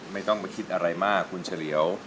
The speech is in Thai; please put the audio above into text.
ไม่ต้องมาคิดอะไรมากคุณเฉลียว